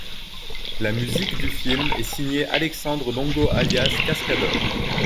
La musique du film est signée Alexandre Longo alias Cascadeur.